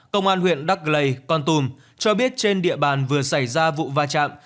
công an huyện đắc lây con tùm cho biết trên địa bàn vừa xảy ra vụ va chạm